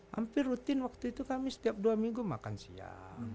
hampir rutin waktu itu kami setiap dua minggu makan siang